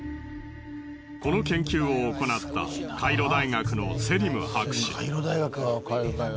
この研究をおこなったカイロ大学のセリム博士。